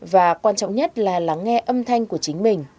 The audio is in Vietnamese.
và quan trọng nhất là lắng nghe âm thanh của chính mình